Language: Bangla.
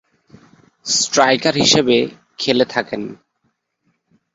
স্ট্রাইকার হিসেবে খেলে থাকেন।